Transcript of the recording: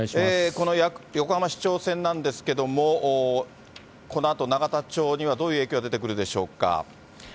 この横浜市長選なんですけれども、このあと永田町にはどういう影響が出てくるでしょうか。